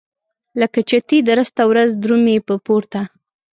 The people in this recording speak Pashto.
لکه چتي درسته ورځ درومي په پورته.